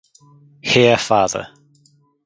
Here Fr.